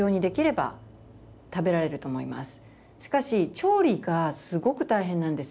しかし調理がすごく大変なんですよ。